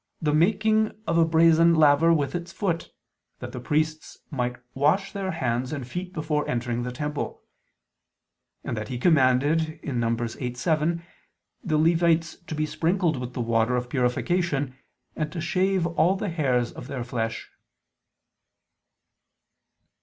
the making of a brazen laver with its foot, that the priests might wash their hands and feet before entering the temple; and that He commanded (Num. 8:7) the Levites to be sprinkled with the water of purification, and to shave all the hairs of their flesh.